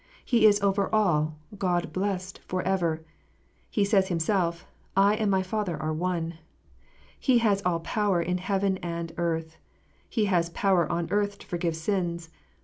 He is " over all, God blessed for ever." He says Himself, "I and my Father are one." He has " all power in heaven and earth." He has " power on earth to forgive sins."